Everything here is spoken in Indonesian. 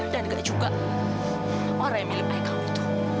dan gak juga orang yang milik ayah kamu tuh